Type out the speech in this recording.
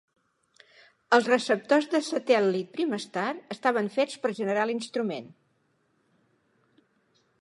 Els receptors de satèl·lit Primestar estaven fets per General Instrument.